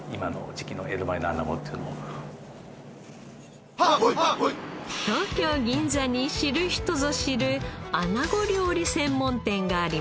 銀座に知る人ぞ知るアナゴ料理専門店があります。